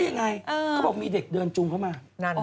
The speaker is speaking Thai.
เขาบอกมีเด็กเดินจุงเข้ามา